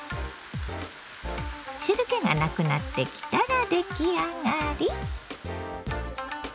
汁けがなくなってきたら出来上がり。